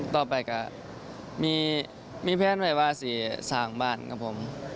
ต่อไปก็มีเพื่อนแบบวาสีสร้างบ้านกับผม